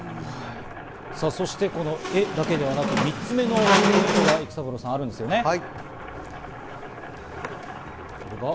さぁ、そしてこの絵だけではなく３つ目のポイントがあるんですよね、育三郎さん。